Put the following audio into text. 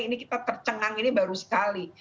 ini kita tercengang ini baru sekali